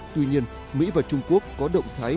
tuy nhiên mỹ và trung quốc có động thái